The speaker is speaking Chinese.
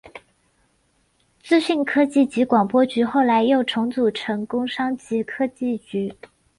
资讯科技及广播局后来又重组成工商及科技局。